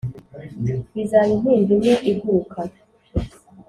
bizaba intimba imwe iguruka